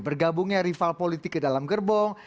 bergabungnya rival politik ke dalam gerbong